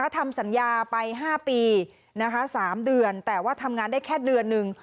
ทำสัญญาไป๕ปี๓เดือนแต่ว่าทำงานได้แค่เดือนหนึ่ง